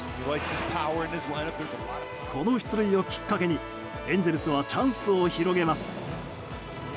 この出塁をきっかけにエンゼルスはチャンスを広げます。